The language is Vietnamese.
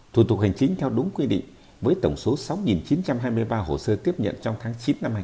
thủ tục hành chính theo đúng quy định với tổng số sáu chín trăm hai mươi ba hồ sơ tiếp nhận trong tháng sáu